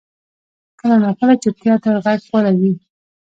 کله ناکله چپتیا تر غږ غوره وي.